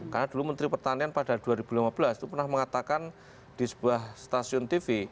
karena dulu menteri pertanian pada dua ribu lima belas itu pernah mengatakan di sebuah stasiun tv